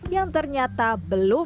yang ternyata belum